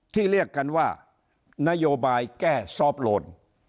เรียกกันว่านโยบายแก้ซอฟต์โลน